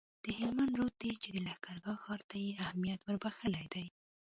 د هلمند رود دی چي د لښکرګاه ښار ته یې اهمیت وربخښلی دی